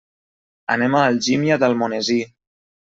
Anem a Algímia d'Almonesir.